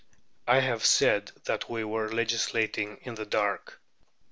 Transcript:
I have said that we were legislating in the dark.